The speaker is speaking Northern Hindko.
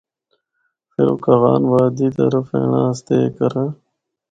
فر او کاغان وادی طرف اینڑا اسطے اے کراں۔